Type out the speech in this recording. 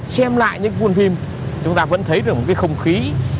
xem lại những khuôn phim chúng ta vẫn thấy được một cái không khí